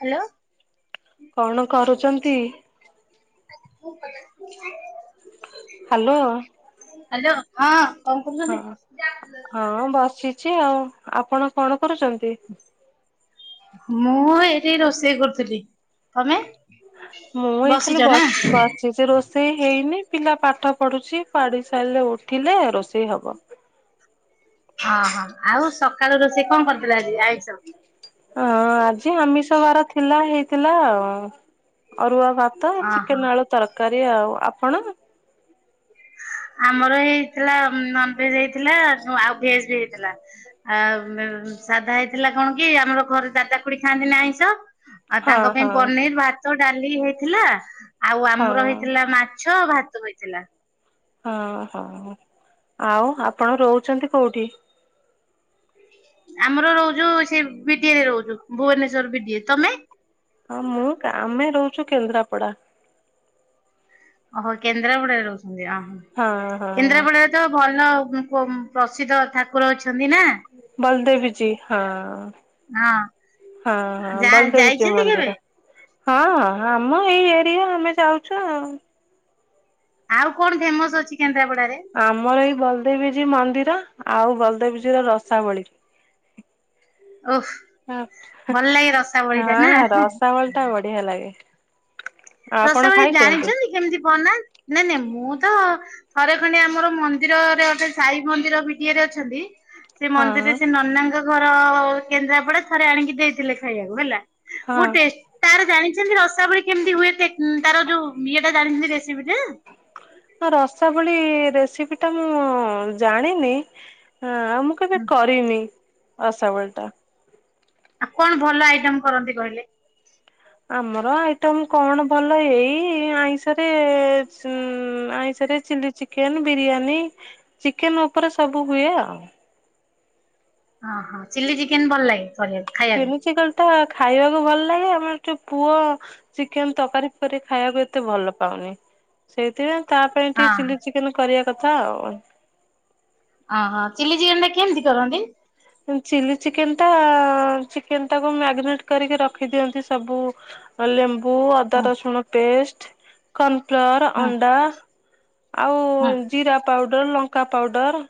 Hello କଣ କରୁଛନ୍ତି? [inaudible] Hello hello ହଁ କଣ କୁହ ରେ? ହଁ ବସିଚି ଅଛି ଆଉ ଆପଣ କଣ କରୁଛନ୍ତି? ମୁଁ ଏଇଠି ରୋଷେଇ କରୁଥିଲି। ତମେ? ମୁଁ ଏଇ ଖାଲି ବସିଛ ନା? ବସ୍ ବସ୍ ସେ ଯେ ରୋଷେଇ ହେଇନି ପିଲା ପାଠ ପଢୁଛି ପାଢି ସାରିଲେ ଉଠିଲେ ରୋଷେଇ ହବ। ଅହୋ ଆଉ ସକାଳୁ ରୋଷେଇ କଣ କରିଥିଲ ଆଜି? ଆଇ ସ ହଁ ଆଜି ଆମିଷ ବାର ଥିଲା। ହେଇଥିଲା ଆଉ ଅରୁଆ ଭାତ ଓହୋ ଚିକେନ ଆଳୁ ତରକାରୀ ଆଉ ଆପଣ ଆମର ହେଇଥିଲା ନନ ଭେଜ ହେଇଥିଲା ଆଉ ଭେଜ ବି ହେଇଥିଲା। ଆଉ ସାଧା ହେଇଥିଲା କଣ କି ଆମର ଘରେ ଦା ଦା ଖୁଡି ଖାଆନ୍ତି ନା ଆଇଁଷ ଆଉ ହଁ ତାଙ୍କ ପାଇଁ ହଁ ପନିର, ଭାତ, ଡାଲି ହେଇଥିଲା। ଆଉ ଆମର ହଁ ହେଇଥିଲା ମାଛ ଭାତ ହେଇଥିଲା। ହଁ ହଁ ଆଉ ଆପଣ ରହୁଛନ୍ତି କୋଉଠି? ଆମର ଯୁ ରହୁଛୁ ସେ ବିଟିଏ ରେ ରହୁଛୁ ଭୁବନେଶ୍ଵର ବିଟିଏ, ତମେ? ହଁ ମୁଁ ଆମେ ରହୁଛୁ କେନ୍ଦ୍ରାପଡା। ଓହୋ କେନ୍ଦ୍ରାପଡାରେ ରହୁଛନ୍ତି, ହଁ ଅହୋ ହଁ କେନ୍ଦ୍ରାପଡାରେ ଭଲ ପ୍ରସିଦ୍ଧ ଠାକୁର ଅଛି ବଲଦେବୀ ଯୀ ହଁ ହଁ ହଁ ହଁ ଯା ବଲଦେବଚି ଯାଇଛନ୍ତି କେବେ? ମନ୍ଦିର ହଁ ଆମ ଏଇ ଏରିଆ ଆମେ ଯାଉଛୁ ଆ ଆଉ କଣ ଫେମସ ଅଛି କେନ୍ଦ୍ରାପଡାରେ? ଆମର ଏଇ ବଲଦେବୀଜୀ ମନ୍ଦିର ଆଉ ବଲଦେବୀଜୀ ର ରସାବଳୀ ଓଃ ଭଲ ଲାଗେ ରସାବଳି ଟା ହଁ ନା। ରସାବଳି ଟା ବଢ଼ିଆ ଲାଗେ। ଆପଣ ରସାବଳୀ ଖାଇଛନ୍ତି? ଜାଣିଚନ୍ତି କେମିତି ବନା ନାଇଁ ନାଇଁ ମୁଁ ତ ଥରେ ଖଣ୍ଡେ ଆମର ମନ୍ଦିରରେ ଗୋଟେ ସାଇ ମନ୍ଦିର ବିଡ଼ିଏରେ ଅଛନ୍ତି ସେ ମନ୍ଦିରରେ ହଁ ସେ ନନାଙ୍କ ଘର ଅ ଅ ଅ କେନ୍ଦ୍ରାପଡ଼ା ଥରେ ଆଣିକି ଦେଇଥିଲେ ଖାଇବାକୁ ହେଲା। ବହୁତ ହଁ ଟେଷ୍ଟ ତାର ଜାଣିଚନ୍ତି ରସାବଳି କେମିତି ହୁଏ? ସେ କିମ ତାର ଯୋଉ ଇଏ ଟା ଜାଣିଚନ୍ତି ରେସିପି ଟା? ତ ରସାବଳି ଇ ଇ ରେସିପିଟା ମୁଁ ଉଁ ଉଁ ଉଁ ଜାଣିନି ହଁ ଆଉ ମୁଁ କେବେ ହୁଁ କରିନି ରସାବଳିଟା। ଆଉ କଣ ଭଲ ଆଇଟମ୍ କରନ୍ତି କହିଲେ? ଆମର ଆଇଟମ୍ କଣ ଭଲ ଏଇ ଆଇଁଷରେ ଏ ଏ ଉଁ ଉଁ ଆଇଁଷରେ ଚିଲି ଚିକ୍ କେନ୍ ବିରିୟାନୀ ଚିକେନ ଉପରେ ସବୁ ହୁଏ ଆଉ। ଓହୋ ଚିଲି ଚିକେନ୍ ଭଲ ଲାଗେ କରିବାକୁ? ଖାଇବାକୁ? ଚିଲି ଚିକେନଟା ଖାଇବାକୁ ଭଲ ଲାଗେ ଆମର ହେଠୁ ପୁଅ ଚିକେନ ତରକାରୀ ଫକାରୀ ଖାଇବାକୁ ଏତେ ଭଲ ପାଉନି ସେଇଥିପାଇଁ ତା ପାଇଁ ହଁ ଟିକେ ହଁ ଚିଲି ଚିକେନ କରିବା କଥା ଆଉ। ଅହ ଚିଲି ଚିକେନଟା କେମତି କରନ୍ତି? ଚିଲି ଚିକେନଟା ଆ ଆ ଚିକେନଟାକୁ ମ୍ୟାଗନେଟ୍ କରିକି ରଖି ଦିଅନ୍ତି ସବୁ ହଁ ଲେମ୍ବୁ ହୁଁ ଅଦାରସୁଣ ପେଷ୍ଟ କର୍ଣ୍ଣଫ୍ଲୋର, ହୁଁ ଅଣ୍ଡା, ଆଉ ହୁଁ ଜିରା ପାଉଡ଼ର, ଲଙ୍କା ପାଉଡ଼ର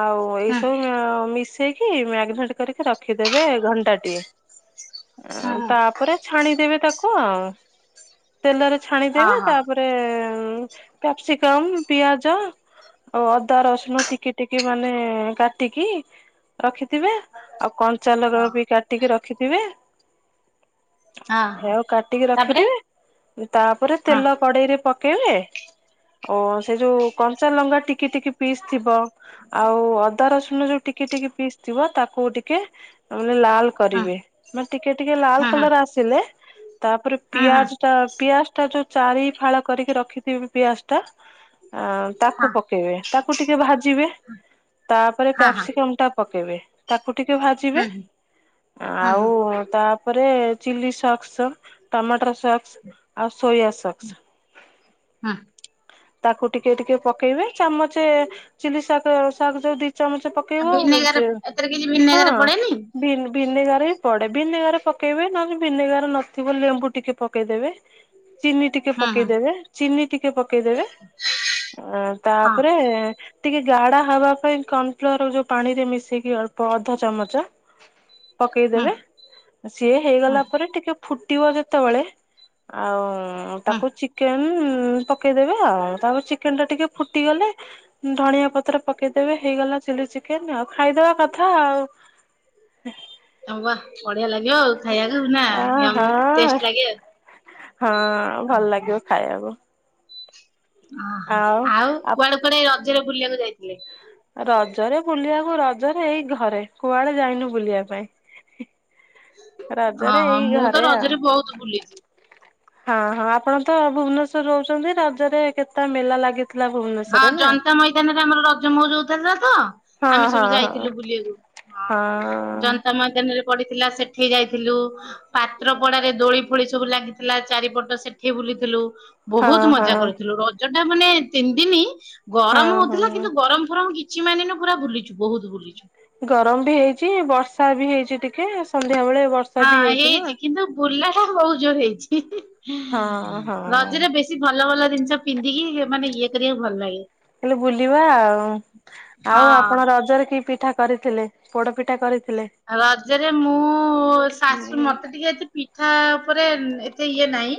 ଆଉ ହୁଁ ଏଇସବୁ ମ୍ୟାଉଁ ମିଶେଇ କି ମ୍ୟାଗନେଟ କରିକି ରଖିଦେବେ ଘଣ୍ଟାଟିଏ ହଁ ତା ପରେ ଛାଣିଦେବେ ତାକୁ ଆଉଁ ତେଲରେ ହଁ ଛାଣିଦେବେ ହଁ ତାପରେ ପ୍ରେ ଏ ଏ ଅଁ କ୍ୟାପସିକମ୍, ପିଆଜ, ଆଉ ଅଦା, ରସୁଣ ଟିକି ଟିକି ମାନେ ଏ ଏ କାଟିକି ରଖିଥିବେ ଆଉ କଞ୍ଚାଲକା ହଁ। ବି କାଟି ଟିକେ ରଖିଥିବେ। ହଁ ହେ ହଁ ଆଉ କାଟିକି ତାପରେ ରଖିଥିବେ ତାପରେ ହଁ ତେଲ କଡ଼େଇରେ ପକ କେଇବେ ଓ ସେ ଯୋଉ କଞ୍ଚାଲଙ୍କା ଟିକି ଟିକି ପିସ୍ ଥିବ ଆଉ ଅଦା, ରସୁଣ ଯୋଉ ଟିକି ଟିକି ପିସ୍ ଥିବ ତାକୁ ଟିକେ ମାନେ ଲାଲ କ ହଁ କରିବେ ମାନେ ଟିକେ ଟିକେ ଲାଲ ହଁ ହଁ କଲର ଆସିଲେ ତାପରେ ହଁ ହଁ ପିଆଜଟା ପିଆଜ ଟା ଯୋଉ ଚାରି ଫାଳ କରିକି ରଖିଥିବେ ପିଆଜଟା ଆଁ ତାକୁ ହଁ ପକେଇବେ ତାକୁ ଟିକେ ଭାଜିବେ ତାପରେ ହଁ ହଁ କ୍ୟାପ୍ସିକମ୍ ଟା ପକେଇବେ ତାକୁ ଟିକେ ଭାଜିବେ ହୁଁ ହୁଁ ହଁ ଆଉ ହଁ ତାପରେ ଚିଲି ସ କ୍ସ ଟମାଟର ସକ୍ସ୍ ଆଉ ସୋୟା ସକ୍ସ୍ ହଁ ତାକୁ ଟିକେ ଟିକେ ପକେଇବେ ଚାମଚେ ଚିଲି ଶାକ ଶାକ ଯୋଉ ଦି ଚାମଚେ ପ କେଇବ ରୁ ଭିନେଗାର ଏଥିରେ କିଛି ଯେଇବ ଭିନେଗାର ହଁ ପଡେନି ଭିନ ଭିନେଗାରେ ବି ପଡ଼େ ଭିନେଗାର ପକେଇବେ ନହେଲେ ଭିନେଗାର ନଥିବ ଲେମ୍ବୁ ଟିକେ ପକେଇଦେବେ। ଚିନି ଟିକେ ହଁ ହଁ ପକେଇଦେବେ ଚିନି ଟିକେ ପକେଇଦେବେ ଅଁ ହଁ ତାପରେ ଠିକ ହେଇଚି। ଗାଢ଼ା ହବା ପାଇଁ କର୍ଣ୍ଣଫ୍ଲୋର ଯୋଉ ପାଣିରେ ମିଶେଇକି ଅଳ୍ପ ଅଧ ଚାମଚ ହଁ ପକେଇଦେବେ ସିଏ ହଁ ହେଇଗଲା ପରେ ଟିକେ ଫୁଟିବ ଯେତବଳେ ଆଉଁ ହଁ ତାକୁ ଚିକେନ ଉଁ ଉଁ ପକେଇଦେବେ ଆଉ ତାପରେ ଚିକେନଟା ଟିକେ ଫୁଟିଗଲେ ଧଣିଆ ପତ୍ର ପକେଇଦେବେ ହେଇଗଲା ଚିଲି ଚିକେନ୍ ଆଉ ଖାଇଦବା କଥା ଆଉ। ଆ ବାଃ ବଢିଆ ଲାଗିବ ଆଉ ଖାଇବାକୁ ନା ଆ ୟମ୍ ହଁ ଟେଷ୍ଟ ଲାଗିବ। ହଁ ଭଲ ଲାଗିବ ଖାଇବାକୁ। ଓହୋ ଆଉ କୁଆଡେ କୁଆଡେ ରଜରେ ବୁଲିବାକୁ ଯାଇଥିଲେ? ରଜରେ ବୁଲିବାକୁ ରଜରେ ଏଇ ଘରେ କୁଆଡେ ଯାଇନୁ ବୁଲିବା ପାଇଁ। ରଜରେ ଅଁ ହଁ ଏଇ ମୁଁ ତ ଘରେ ଆଉ। ରଜରେ ବହୁତ ଭୁଲିଚି। ହଁ ହଁ ଆପଣ ତ ଭୁବନେଶ୍ୱରରେ ରହୁଛନ୍ତି ରଜରେ କେତେ ମେଲା ଲାଗି ହଁ ଜନତା ମଇଦାନରେ ଆମର ରଜ ମଉଜ ହଉଥିଲା ତ ଆମେ ହଁ ସବୁ ହଁ ହଁ ଯାଇଥିଲୁ ବୁଲିବାକୁ ହଁ ଜନତା ମଇଦାନରେ ପଡିଥିଲା ସେଠି ଯାଇଥିଲୁ ପାତ୍ରପଡାରେ ଦୋଳି ଫୋଳି ସବୁ ଲାଗିଥିଲା ଚାରିପଟ ସେଠି ବୁଲିଥିଲୁ। ହଁ ବହୁତ ହଁ ମଜା କରୁଥିଲୁ ରଜଟା ମାନେ ତିନି ଦିନ ଗରମ ହଁ ହଉଥିଲା ହଁ। କିନ୍ତୁ ଗରମ ଫରମ କି ଚି ମାନିନୁ ପୁରା ବୁଲିଚୁ ବହୁତ ବୁଲିଚୁ। ଗରମ ବି ହେଇଚି ବର୍ଷା ବି ହେଇଚି ଟିକେ ସନ୍ଧ୍ୟା ବେଳେ ବ ହଁ ହେଇଛି କିନ୍ତୁ ବୁଲା ଟା ବହୁ ଜୋରେ ହେଇଚି ହଁ ହଁ ରଜରେ ବେ କିଛି ଭଲ ଭଲ ଜିନିଷ ପିନ୍ଧିକି ସେ ମାନେ ଇଏ କରିବାକୁ ଭଲ ଲାଗେ। ହେଲେ ବୁଲିବା ଆଉ ଆଉ ହଁ ଆପଣ ରଜରେ କି ପିଠା କରିଥିଲେ ପୋଡପିଠା କରି ରଜରେ ମୁଁ ହଁ ଶାଶୁ ମତେ ଟିକେ ଏ ପି ଠା ଉପରେ ଏତେ ଇଏ ନାଇଁ।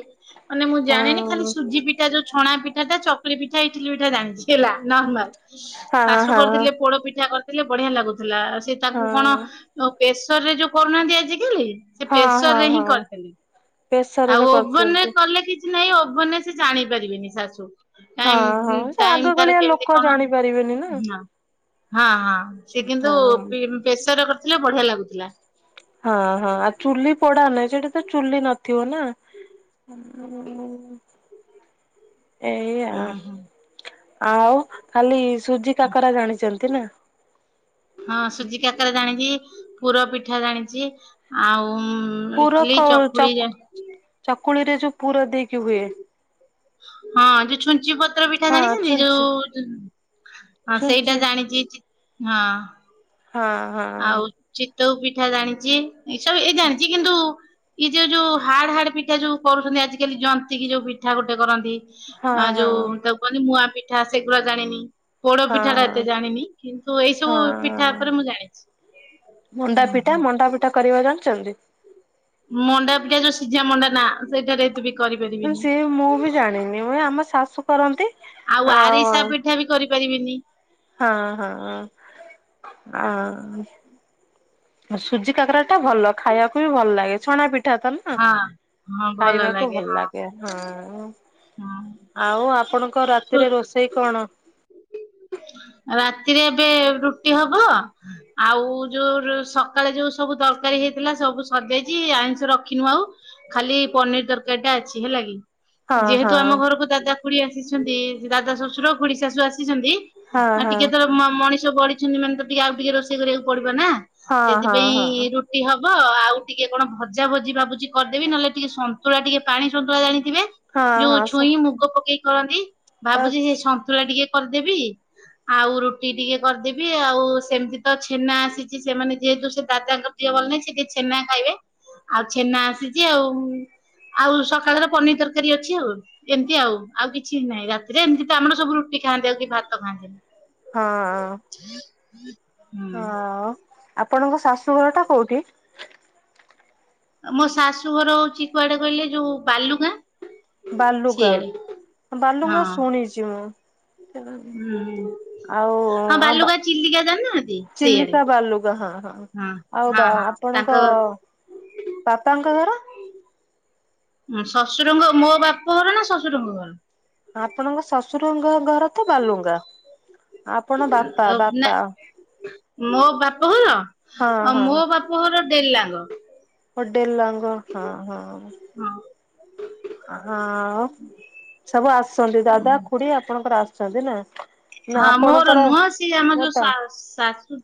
ମାନେ ମୁଁ ଜାଣିନି ଖାଲି ହଁ ସୁଜି ପିଠା ଯୋଉ ଛଣା ପିଠା ଚକୁଲି ପିଠା ଇଟଲି ପିଠା ଜାଣିଛି ହେଲା ନର୍ମାଲ। ହଁ ଶାଶୁ ହଁ। କରିଥିଲେ ପୋଡ ପିଠା କରିଥିଲେ ବଢିଆ ଲାଗୁଥିଲା ସେ ତାକୁ କଣ ଆ ପ୍ରେସର ରେ ଯୋଉ କରୁନାହାନ୍ତି ଆଜି କାଲି ସେ ହଁ ପ୍ରେସର ହଁ ରେ ହଁ ହିଁ କରିଥିଲି। ଆଉ ପ୍ରେସରରେ ଓଭେନ ରେ କରୁଛନ୍ତି। କଲେ କିଛି ନାହିଁ ଓଭେନ ରେ ସେ ଜାଣିପାରିବେନି ଶାଶୁ। ହଁ ହଁ ଟାଇମି ସେ ଆଗ ଟାଇମି ତାର କାଳିଆ ଲୋକ କେମିତି କଣ ଜାଣି ପାରିବେନି ନା ହଁ। ହଁ ହଁ ସେ କିନ୍ତୁ ପି ପ୍ରେସର କରିଥିଲେ ବଢିଆ ଲାଗୁଥିଲା। ହଁ ହଁ ଆଉ ଚୁଲି ପୋଡା ନାହିଁ ସେଠି ତ ଚୁଲି ନଥିବ ନା [unintelligible] ଏଇଆ ହୁଁ ହୁଁ। ଆଉ ଖାଲି ସୁଜି କାକରା ଜାଣିଚନ୍ତି। [unintelligible] ହଁ ସୁଜି କାକରେ ଜାଣିଚି ପୁର ପିଠା ଜାଣିଚି ଆଉ ପୁର ଇଟଲି କଣ ଚ ଚକୁଳି ଜା ଚକୁଳି ରେ ଯୋଉ ପୁର ଦେଇକି ହୁଏ। ହଁ ଯେ ଛୁଞ୍ଚି ପ ପତ୍ର ପିଠା ହଁ ଜାଣିଚନ୍ତି ଯୋଉ ଛୁଞ୍ଚି ହ ଛୁଞ୍ଚି ସେଇଟା ଜାଣିଚି ହଁ। ହଁ। ହଁ ଆଉ ଚିତଉ ପିଠା ଜାଣିଚି ଏସବୁ ଏ ଜାଣିଚି କିନ୍ତୁ କି ସେ ଯୋଉ ହାଡ ହାର୍ଡ ପିଠା ଯୋଉ କରୁଚନ୍ତି ଆଜିକାଲି ଜନ୍ତି କିି ଯୋଉ ପିଠା ଗୋଟେ କରନ୍ତି। ହଁ ଆ ହଁ ହଁ ଯୋଉ ତାକୁ କହନି ମୁଆଁ ପିଠା ସେଗୁଡା ଜାଣିନି। ପୋଡ ହଁ ପିଠା ଟା ଏତେ ଜାଣିନି କିନ୍ତୁ ଏଇ ସବୁ ହଁ ପିଠା ହଁ। ଉପରେ ମୁଁ ଜାଣିଚି। ମଣ୍ଡା ପିଠା ମଣ୍ଡା ପିଠା କରିବା ଜାଣିଚନ୍ତି? ମଣ୍ଡା ପିଠା ଯୋଉ ସିଝା ମଣ୍ଡା ନା ସେଇଟା ରେ ହେଇଥିବି। କରି ପାରିବି ସିଏ ମୁଁ ବି ଜାଣିନି ମୁଁ ଆମ ଶାଶୁ କରନ୍ତି। ଆଉ ଆରିସା ପିଠା ବି କରି ପାରିବିିନି। ହଁ ହଁ ଆଉଁ। ସୁଜି କାକରା ଟା ଭଲ ଖାଇବାକୁ ବି ଭଲ ଲାଗେ ଛଣା ପି ପିଠା କରିବ ହଁ ହଁ ଭଲ ଖାଇବାକୁ ଭଲ ହଁ ଲାଗେ ହଁ। ହଁ। ଆଉ ଆପଣଙ୍କ ରାତିରେ ରୋଷେଇ କଣ? ରାତିରେ ଏବେ ରୁଟି ହବ ଆଉ ଯୋଉ ସକାଳେ ଯୋଉ ସବୁ ତରକାରୀ ହେଇଥିଲା ସବୁ ସଜାଇଛି ଆଇଁଷ ରଖିନୁ ଆଉ। ଖାଲି ପନିରି ତରକାରୀ ଟା ଅଛି ହେଲା କି? ହଁ ହଁ ଯେହେତୁ ଆମ ଘରକୁ ଦାଦା କୁଡି ଆସିଛନ୍ତି ଦାଦା ଶ୍ୱଶୁର କୁଡି ଶାଶୁ ଆସିଛନ୍ତି ହଁ ଆଉ ହଁ ଟିକେ ତର ମଣିଷ ବଢିଛନ୍ତି ମାନେ ତ ଟିକେ ଆଉ ଟିକେ ରୋଷେଇ କରିବାକୁ ପଡିବ ନା? ହଁ ହଁ ସେଥିପାଇଁ ହଁ। ରୁ ଟି ହବ ଆଉ ଟିକେ କଣ ଭଜା ଭଜି ଭାବୁଛି କରିଦେବି ନହେଲେ ଟିକେ ସନ୍ତୁଳା ଟିକେ ପାଣି ସନ୍ତୁଳା ଜାଣିଥିବେ? ହଁ ଯୋଉ ହଁ ଛୁଇଁ ସପା ମୁଗ ପକେଇ କରନ୍ତି ଭାବୁଛି ସେ ସନ୍ତୁଳା ଟିକେ କରିଦେବି। ଆଉ ରୁଟି ଟିକେ କରିଦେବି ଆଉ ସେମିତି ତ ଛେନା ଆସିଛି ସେମାନେ ଯେହେତୁ ସେ ଦାଦାଙ୍କ ଦିଅ ଭଲ ନାହିଁ ସେ ଟିକେ ଛେନା ଖାଇବେ ଆଉ ଛେନା ଆସିଛି ଆଉ। ଆଉ ସକାଳର ପନିର ତରକାରୀ ଅଛି ଆଉ ଏମିତି ଆଉ। ଆଉ କିଛି ନାହିଁ ରାତିରେ ଏମିତି ତ ଆମର ସବୁ ରୁଟି ଖାଆନ୍ତି ଆଉ କି ଭାତ ଖାଆନ୍ତିନି। ହଁ। ହୁଁ ହଁ ଆପଣଙ୍କ ଶାଶୁଘର ଟା କୋଉଠି? ମୋ ଶାଶୁ ଘର ହଉଛି କୁଆଡେ କହିଲେ ଯୋଉ ବାଲୁଗାଁ? ସେଇଆଡେ ବାଲୁଗାଁ ହଁ ବାଲୁଗାଁ ଶୁଣିଛି ମୁଁ। ହୁଁ। ହଁ ଆଉ ବା ବାଲୁଗାଁ ଚିଲିକା ଜାଣିନାହାନ୍ତି ସେଇଆଡେ ଚିଲିକା ବାଲୁଗାଁ ହଁ ହଁ। ଆଉ ହଁ ବା ହଁ ତାଙ୍କ ଆପଣଙ୍କ ବାପାଙ୍କ ଘର? ଶ୍ୱଶୁର ଙ୍କ ମୋ ବାପ ଘର ନା ଶ୍ୱଶୁରଙ୍କ ଘର? ଆପଣଙ୍କ ଶ୍ୱଶୁରଙ୍କ ଘ ଘର ତ ବାଲୁଗାଁ। ଆପଣ ବାପା ନା ବାପା ମୋ ବାପ ଘର ହଁ ହଁ ମୋ ବା ମୋର ଡେଲାଙ୍ଗ। ହଁ ଡେଲାଙ୍ଗ ହଁ ହଁ। ହଁ। ହଁ ସବୁ ଆସୁଛନ୍ତି ଦାଦା ଖୁଡି ଆପଣଙ୍କର ଆସୁଛନ୍ତି ନା? ନା ହଁ ମୋର ଆପଣଙ୍କର ନୁହଁ ସିଆଉ ଆମ ମୋ ଯୋ ତା ଶାଶୁ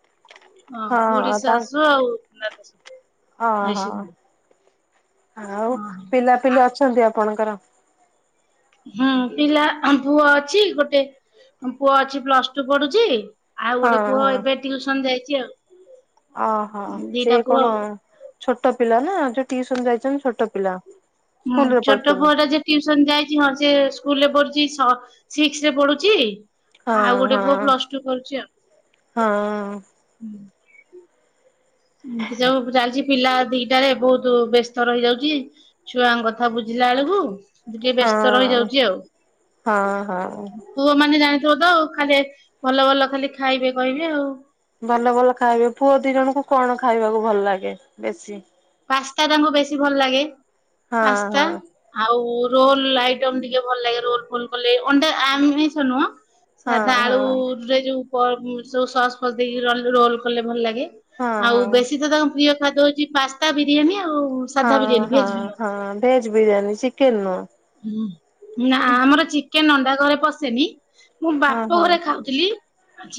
ହଁ ଖୁଡି ଶାଶୁ ଆଉ ଦଦା ଶଶୁ ହଁ ହଁ ଆଉ ହଁ। ପିଲାପିଲି ଅଛନ୍ତି ଆପଣଙ୍କର? ହୁଁ ପିଲା ପୁଅ ଅଛି ଗୋଟେ ପୁଅ ଅଛି ପ୍ଲସ ଟୁ ପଢୁଛି। ଆଉ ଗୋଟେ ହଁ ପୁଅ ଏବେ ଟିଉସନ ଯାଇଛି ଆଉ। ଅହୋ ସେ ଦିଟା ପୁଅ କଣ ଆଉ ଛୋଟ ପିଲା ନା ଯୋଉ ଟିସନ ଯାଇଛନ୍ତି ଛୋଟ ପିଲା। ହୁଁ ସ୍କୁଲରେ ଛୋଟ ପଢୁଛନ୍ତି ପୁଅ ଟା ଯେ ଟୁସନ ଯାଇଛି ହଁ ସେ ସ୍କୁଲ ରେ ପଢୁଛି ସ ସିକ୍ସି ରେ ପଢୁଛି। ଆଉ ହଁ ଗୋଟେ ହଁ ପୁଅ ପ୍ଲସ ଟୁ କରୁଛି ଆଉ ହଁ ହୁଁ। ଇମିତି ସବୁ ଚାଲିଛିି। ପିଲା ଦିଟାରେ ବହୁତ ବ୍ୟସ୍ତ ରହିଯାଉଛି ଛୁଆଙ୍କ କଥା ବୁଝିଲା ବେଳକୁ। ଟିକେ ବ୍ୟସ୍ତ ହଁ। ରହିଯାଉଛି ଆଉ। ହଁ ହଁ ପୁଅ ମାନେ ଜାଣିଥିବ ତ ଆଉ ଖାଲି ଭଲ ଭଲ ଖାଲି ଖାଇବେ କହିବେ ଆଉ। ଭଲ ଭଲ ଖାଇବେ ପୁଅ ଦି ଜଣଙ୍କୁ କଣ ଖାଇବାକୁ ଭଲ ଲାଗେ ବେଶୀ? ପାସ୍ତା ତାଙ୍କୁ ବେଶୀ ଭଲ ଲାଗେ ହଁ ପାସ୍ତା। ହଁ ଆଉ ରୋଲ ଆଇଟମ ଟିକେ ଭଲ ଲାଗେ ରୋଲ ଫୋଲ କଲେ ଅଣ୍ଡା ଆମିଷ ନୁହେଁ। ହଁ ସାଧା ହଁ ଆଳୁରେ ଯୋଉ ପ ସସ୍ ଫସ ଦେଇକି ରୋଲ କଲେ ଭଲ ଲାଗେ। ହଁ ଆଉ ହଁ। ବେଶୀ ତ ତାଙ୍କ ପ୍ରିୟ ଖାଦ୍ୟ ହଉଛି ପାସ୍ତା ବିରିୟାନୀ ଆଉ। ସାଧା ହଁ ବିରିୟାନୀ ହଁ ଭେଜ ବିରିୟାନୀ। ହଁ ଭେଜ୍ ବିରିୟାନୀ ଚିକେନେ ନୁଅ। ହୁଁ। ନା ଆମର ଚିକେନେ ଅଣ୍ଡା ଘରେ ପଶେନି। ମୁଁ ହଁ ବାପ ହଁ। ଘରେ ଖାଉ ଥିଲି।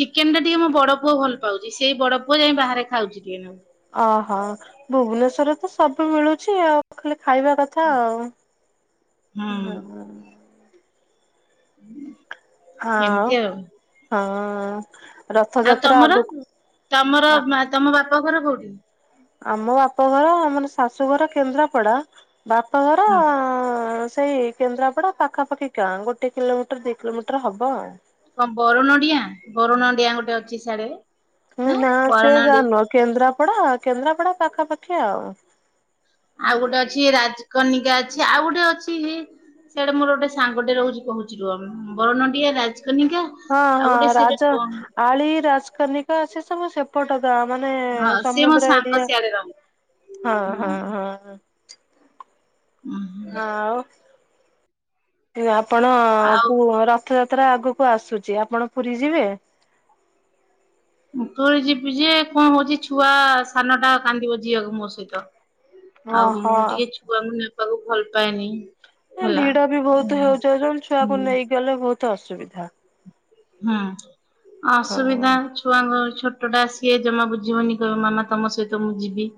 ଚିକେନେ ଟା ଟିକେ ମୋ ବଡ ପୁଅ ଭଲ ପାଉଛି ସେଇ ବଡ ପୁଅ ଯାଇ ବାହାରେ ଖାଉଛି ଟିକେ ନାଁକୁ। ଓହୋ। ଭୁବେନେଶ୍ୱର ତ ସବୁ ମିଳୁଛି ଆଉ। ଖାଲି ଖାଇବା କଥା। ଥା ହୁଁ ଆଉ ହଁ। ହୁଁ। ହାଉଁ। ହଁ। ଆଉ ରଥଯାତ୍ରା ତମର। ଆଗକୁ ତମର ଆ ତମ ବାପା ଘର କୋଉଠି? ଆମ ବାପଘର ଆମର ଶାଶୁଘର କେନ୍ଦ୍ରାପଡା ବାପଘର। ବାପ ଘର ହଁ। ହଁ ସେଇ କେନ୍ଦ୍ରାପଡା ପାଖାପାଖି ଗାଁ ଗୋଟେ କିଲୋମିଟର ଦୁଇ କିଲୋମିଟର ହବ ଆଉ। କ ବରଣଡିଆ। ବରଣଡିଆ ଗୋଟେ ଅଛି ସିଆଡେ। ନା ସେ ଜା ନୁହ କେନ୍ଦ୍ରାପଡା କେନ୍ଦ୍ରାପଡା ପାଖାପାଖି ଆଉ। ଆଉ ଗୋଟେ ଅଛି ରାଜକନିକା ଅଛି। ଆଉ ଗୋଟେ ଅଛି ହେଁ। ସିଆଡେ ମୋର ଗୋଟେ ସାଙ୍ଗଟେ ରହୁଛି କହୁଛି ରୁହ। ବରନଣ୍ଡିଆ ରାଜକନିକା। ହଁ ଆଉ ହଁ ଗୋଟେ ସେଟା ରାଜ କଣ ଆଳି ରାଜକନିକା। ସେ ସବୁ ସେପ ଏପଟେ ତ ମାନେ ହଁ ସିଏ ମୋ ସମୁଦ୍ର ସାଙ୍ଗ ଏରିଆ। ସିଆଡେ ରହେ। ହଁ ହୁଁ ହଁ ହଁ। ଅହଃ। ଆଉ। ଆପଣ ଆଉ କୁ ଘର। ରଥଯାତ୍ରା ଆଗକୁ ଆସୁଛି ଆପଣ ପୁରୀ ଯିବେ? କକଇଁ ଯିବୁ ଯେ କ ହଉଛି ଛୁଆ ସାନ ଟା କାନ୍ଦିବ ଯିଆକୁ ମୋ ସହିତ। ଆଉ ଓହୋ। ମୁଁ ଟିକେ ଛୁଆଙ୍କୁ ନେବାକୁ ଭଲ ପାଏନି। ହେଁ ହେଲା। ଭିଡ ବି ବହୁତୁ ହୁଁ ହେଉଛି ଚ ଯୋଉ ଛୁଆକୁ ନେଇକି ଗଲେ ବହୁତୁ ଅସୁବିଧା। ହୁଁ। ହଁ ଅସୁବିଧା। ଛୁଆଙ୍କ ଛୋଟଟା ଆସି ଏ ଜମା ବୁଝିବନି କହିବ ମାମା ତମ ସହିତ ମୁଁ ଯିବି।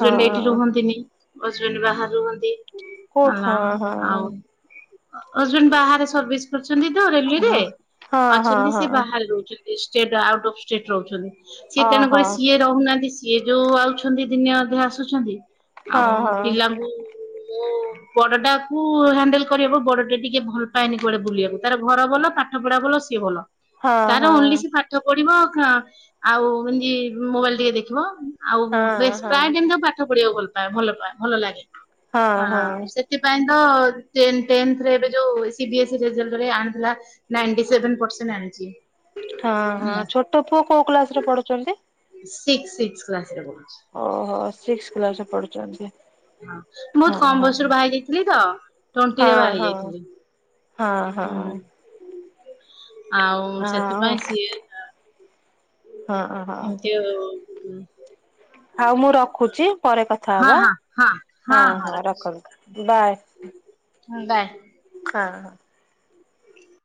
ହଁ ଏଇଠି ହଁ ରୁହନ୍ତିନି। ହଜବେଣ୍ଡ ବାହାରେ ରୁହନ୍ତି ଓ ହେଲା ହଁ ହଁ ଆଉ। ହଁ। ହଜବେଣ୍ଡ ବାହାରେ ସର୍ଭିସ କରିଛନ୍ତି ତ ରେଲିରେ। ହଁ ହଁ ଅଛନ୍ତି ସେ ହଁ ବାହାରେ ରହୁଛନ୍ତି ଷ୍ଟେଟ ଆଉଟ୍ ଅଫ୍ ଷ୍ଟେଟ ରହୁଛନ୍ତି। ସିଏ ଓହୋ ତେଣୁକରି ସିଏ ରହୁନାହାନ୍ତି ସିଏ ଯୋଉ ଆଉଛନ୍ତି ଦିନେ ଅଧେ ଆସୁଛନ୍ତି ଆଉ ହଁ ହଁ। ପିଲାଙ୍କୁ [inaudible] ବଡ ଟା କୁ ହ୍ୟାଣ୍ଡେଲ କରିହେବ ବଡ ଟା ଟିକେ ଭଲ ପାଏନି କୁଆଡେ ବୁଲିବାକୁ ତାର ଘର ଭଲ ପାଠ ପଢା ଭଲ ସିଏ ଭଲ। ହଁ ତାର ଓର୍ଲି ହଁ ସେ ପାଠ ପାଠ ପଡିବ ଖାଁ ଆଉ କେମିତି ମୋବାଇଲି ଟିକେ ଦେଖିବ। ଆଉ ହଁ ବେଶ ହଁ ହଁ ପ୍ରାୟ ଟାଇମି ତାକୁ ପାଠ ପଢିବାକୁ ଭଲ ପାଏ ଭଲ ପାଏ ଭଲ ଲାଗେ ହଁ ହଁ। ସେ। ସେଥିପାଇଁ ତ ଟେନେ ଟେନ୍ଥରେ ଏବେ ଯୋଉ ସି ବି ଏସ ରେଜଲ୍ଟରେ ଆଣିଥିଲା ନାଇଁଟି ସି ସେଭେନେ ପର୍ସେଣ୍ଟ ଆଣିଛି। ହଁ ହଁ ହେଲା ଛୋଟ ପୁଅ କୋଉ କ୍ଲାସ ରେ ପଢୁଛନ୍ତି? ସିକ୍ସି ସିକ୍ସି କ୍ଲାସ ରେ ପଢୁଛି। ଓହୋ ସିକ୍ସି କ୍ଲାସରେ ପଢୁଛନ୍ତି। ହଁ। ବହୁତୁ ହଁ କମ୍ ହଁ ବୟସରୁ ବାହା ହେଇ ଯାଇଥିଲି ତ ଟ୍ୱେଣ୍ଟି ରେ ହଁ ବାହା ହେଇ ହଁ। ଯାଇଥିଲି। ହଁ ହଁ। ହୁଁ ଆଉ ସେଥିପାଇଁ ସିଏ ହଁ ହଁ। ଏମିତି ଆଉ। ଆଉ ମୁଁ ରଖୁଛି ପରେ କଥା ହବା। ହଁ ହଁ ହଁ ହଁ ରଖୁଛି ରଖନ୍ତୁ ବାଏ। ହଁ ବାଏ। ହଁ ହଁ। [inaudible]